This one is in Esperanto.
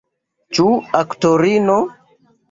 Ĉu aktorino?